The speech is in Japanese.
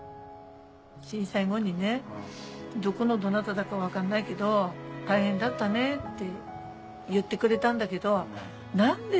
震災後にねどこのどなただか分かんないけど「大変だったね」って言ってくれたんだけど。